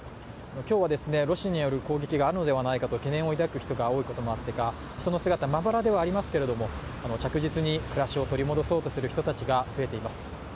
今日はロシアによる攻撃があるのではないかと懸念を抱く人が多いこともあってか人の姿、まばらではありますけれども、着実に暮らしを取り戻そうとする人たちが増えています。